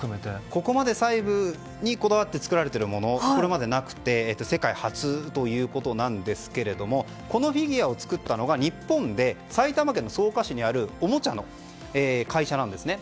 ここまで細部にこだわって作られているものはこれまでなくて世界初ということなんですがこのフィギュアを作ったのは日本、埼玉県の草加市にあるおもちゃの会社なんですね。